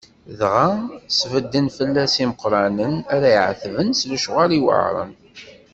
Dɣa sbedden fell-as imeqqranen ara t-iɛetben s lecɣal iweɛṛen.